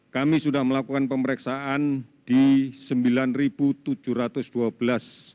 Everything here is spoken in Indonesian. kami sudah melakukan pemeriksaan di sembilan april